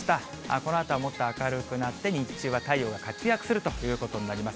このあとはもっと明るくなって、日中は太陽が活躍するということになります。